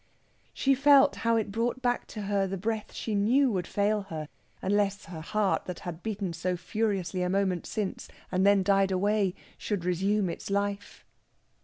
She felt how it brought back to her the breath she knew would fail her, unless her heart, that had beaten so furiously a moment since, and then died away, should resume its life.